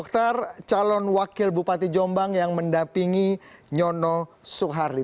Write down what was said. terima kasih pak budi